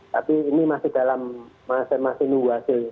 tapi ini masih dalam masih nunggu hasil